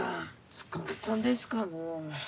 疲れたんですかね。